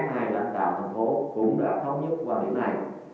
tráng hai lãnh tạo thành phố cũng đã thống nhất qua miễn này